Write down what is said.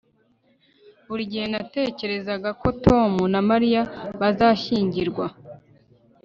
buri gihe natekerezaga ko tom na mariya bazashyingirwa